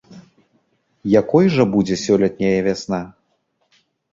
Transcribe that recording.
Якой жа будзе сёлетняя вясна?